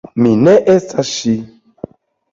Mi ne estas ŝi.